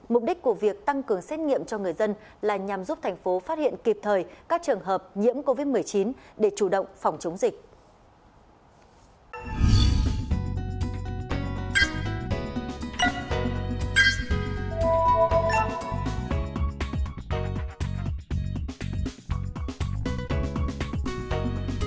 mục đích của việc tăng cường xét nghiệm cho người dân là nhằm giúp thành phố phát hiện kịp thời các trường hợp nhiễm covid một mươi chín để chủ động phòng chống dịch